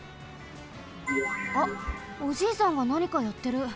あっおじいさんがなにかやってる。